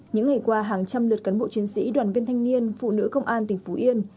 những ngày qua hàng trăm lượt cán bộ chiến sĩ đoàn viên thanh niên phụ nữ công an tỉnh phú yên